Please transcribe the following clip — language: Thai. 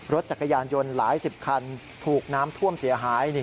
รถจักรยานยนต์หลายสิบคันถูกน้ำท่วมเสียหาย